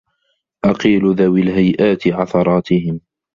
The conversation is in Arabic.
أَقِيلُوا ذَوِي الْهَيْئَاتِ عَثَرَاتِهِمْ